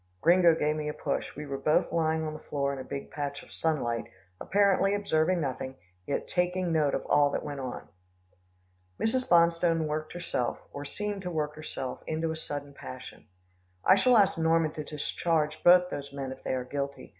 Gringo gave me a push. We were both lying on the floor in a big patch of sunlight, apparently observing nothing, yet taking note of all that went on. Mrs. Bonstone worked herself, or seemed to work herself into a sudden passion. "I shall ask Norman to discharge both those men, if they are guilty.